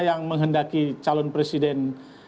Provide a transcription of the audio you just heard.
yang menghendaki calon presiden